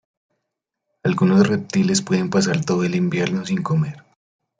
Algunos reptiles pueden pasar todo el invierno sin comer.